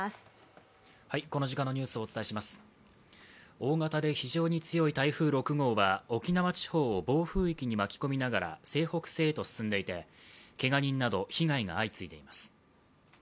大型で非常に強い台風６号は沖縄地方を暴風域に巻き込みながら西北西へと進んでいて、けが人など被害が相次いでいます。